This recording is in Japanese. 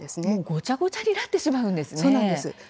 ごちゃごちゃになってしまうんですね。